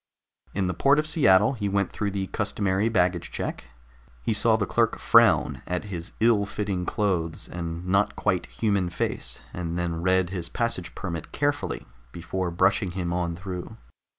In the port of Seattle he went through the customary baggage check. He saw the clerk frown at his ill fitting clothes and not quite human face, and then read his passage permit carefully before brushing him on through.